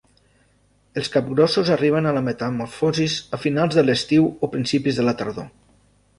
Els capgrossos arriben a la metamorfosi a finals de l'estiu o principis de la tardor.